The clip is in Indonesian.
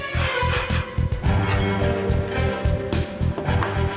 gak akan bisa